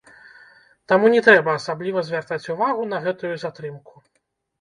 Таму не трэба асабліва звяртаць увагу на гэтую затрымку.